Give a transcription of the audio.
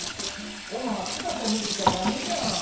コノハ姿見せちゃ駄目じゃん。